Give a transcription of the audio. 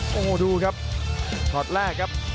โอ้โหดูครับช็อตแรกครับ